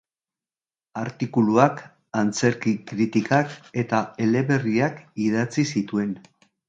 Artikuluak, antzerki-kritikak eta eleberriak idatzi zituen.